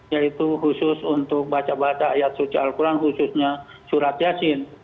yaitu khusus untuk baca baca ayat suci al quran khususnya surat yasin